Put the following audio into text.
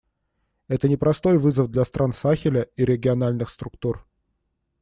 Это непростой вызов для стран Сахеля и региональных структур.